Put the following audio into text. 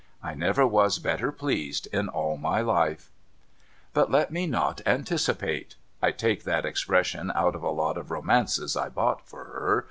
I never was better pleased in all my life ! But let me not anticipate. (I take that expression out of a lot of romances I bought for her.